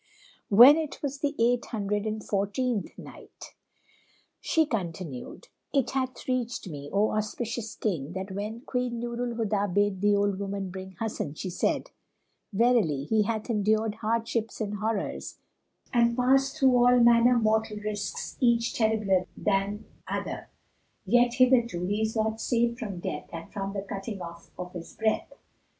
When it was the Eight Hundred and Fourteenth Night, She continued, It hath reached me, O auspicious King, that when Queen Nur al Huda bade the old woman bring Hasan she said, "Verily he hath endured hardships and horrors and passed through all manner mortal risks each terribler than other; yet hitherto he is not safe from death and from the cutting off of his breath."